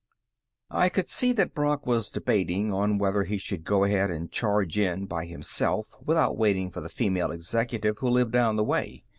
I could see that Brock was debating on whether he should go ahead and charge in by himself without waiting for the female executive who lived down the way.